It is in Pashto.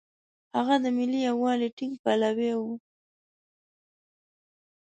هغه د ملي یووالي ټینګ پلوی و.